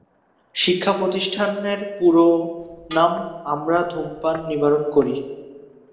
প্রতিষ্ঠানের পুরোনাম ‘আমরা ধূমপান নিবারণ করি’।